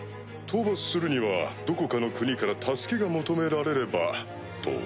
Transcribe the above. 討伐するにはどこかの国から助けが求められればと。